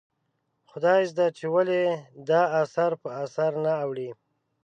خدایزده چې ولې دا اثر په اثر نه اوړي ؟